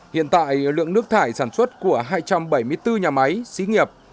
hiện tại lượng nước thải sản xuất của hai trăm bảy mươi bốn nhà máy xí nghiệp